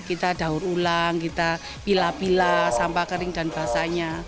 kita daur ulang kita pilah pilah sampah kering dan basahnya